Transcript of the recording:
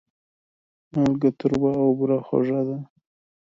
مالګه تروه او بوره خوږه ده.